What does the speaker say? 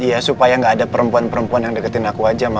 iya supaya gak ada perempuan perempuan yang deketin aku aja